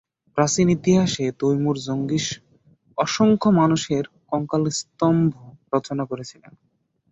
প্রাচীন ইতিহাসে Timur Genghis অসংখ্য মানুষের কঙ্কালস্তম্ভ রচনা করেছিল।